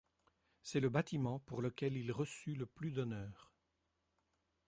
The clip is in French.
C’est le bâtiment pour lequel il reçut le plus d’honneurs.